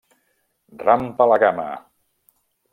Rampa a la Cama!